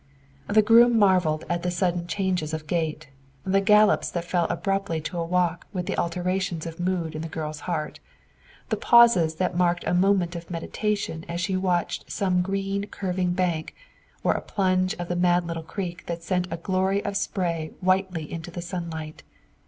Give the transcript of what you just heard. The groom marveled at the sudden changes of gait, the gallops that fell abruptly to a walk with the alterations of mood in the girl's heart, the pauses that marked a moment of meditation as she watched some green curving bank, or a plunge of the mad little creek that sent a glory of spray whitely into the sunlight.